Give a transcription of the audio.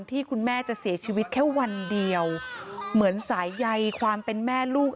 ที่คุณแม่จะเสียชีวิตแค่วันเดียวเหมือนสายใยความเป็นแม่ลูก